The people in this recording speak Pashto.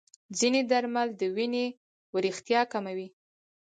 ځینې درمل د وینې وریښتیا کموي.